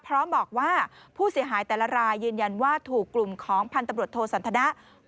พร้อมบอกว่าผู้เสียหายแต่ละรายยืนยันว่าถูกกลุ่มของพันธุ์ตำรวจโทสันทนะ